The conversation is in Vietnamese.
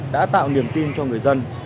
đã tạo niềm tin cho người dân